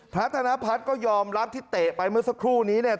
ธนพัฒน์ก็ยอมรับที่เตะไปเมื่อสักครู่นี้เนี่ย